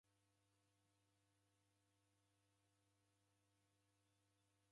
Ni nicha seji koni kusindeghora.